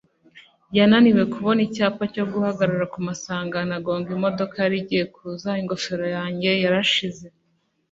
yananiwe kubona icyapa cyo guhagarara ku masangano maze agonga imodoka yari igiye kuza. ingofero yanjye yarashize